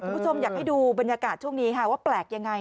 คุณผู้ชมอยากให้ดูบรรยากาศช่วงนี้ค่ะว่าแปลกยังไง